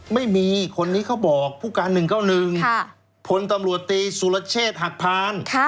ไม่มีคนนี้เขาบอกผู้การ๑๙๑พลตำรวจตีสุรเชษฐ์หักพาน